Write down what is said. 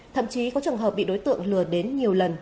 thậm chí có trường hợp bị đối tượng lừa đến nhiều lần